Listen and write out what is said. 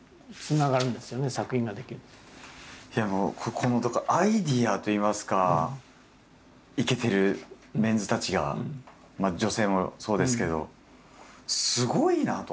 このアイデアといいますかいけてるメンズたちが女性もそうですけどすごいなあと。